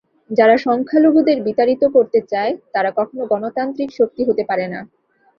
যারা সংখ্যালঘুদের বিতাড়িত করতে চায়, তারা কখনো গণতান্ত্রিক শক্তি হতে পারে না।